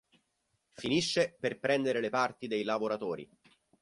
Finisce per prendere le parti del lavoratori.